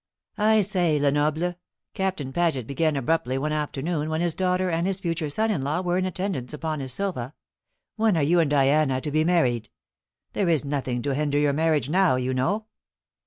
"I say, Lenoble," Captain Paget began abruptly one afternoon when his daughter and his future son in law were in attendance upon his sofa, "when are you and Diana to be married? There is nothing to hinder your marriage now, you know."